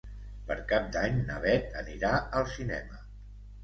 Per Cap d'Any na Bet anirà al cinema.